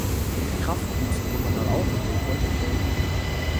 Kraft wuchs in Wuppertal auf und lebt heute in Berlin.